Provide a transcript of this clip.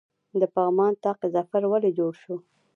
د پغمان طاق ظفر ولې جوړ شو؟